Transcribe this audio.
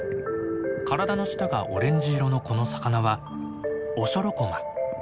体の下がオレンジ色のこの魚はオショロコマ。